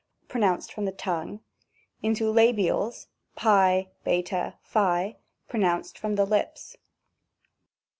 lY nounced from the tongue ; into Labials Tty /?, tp, pro nounced from the lips.